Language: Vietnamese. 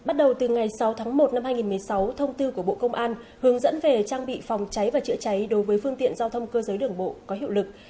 bắt đầu từ ngày sáu tháng một năm hai nghìn một mươi sáu thông tư của bộ công an hướng dẫn về trang bị phòng cháy và chữa cháy đối với phương tiện giao thông cơ giới đường bộ có hiệu lực